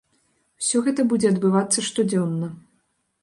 Усё гэта будзе адбывацца штодзённа.